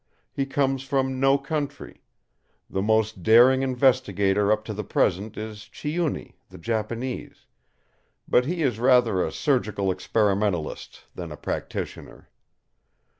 He comes from no country. The most daring investigator up to the present is Chiuni, the Japanese; but he is rather a surgical experimentalist than a practitioner.